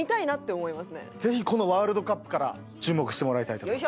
ぜひこのワールドカップから注目してもらいたいと思います。